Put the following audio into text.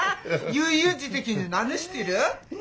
悠々自適に何してる？